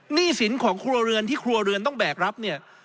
หนี้สินของครัวเรือนที่ครัวเรือนต้องแบกรับเนี่ย